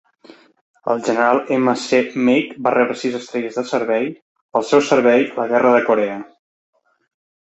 El general M. C. Meigs va rebre sis estrelles de servei, pel seu servei a la Guerra de Corea.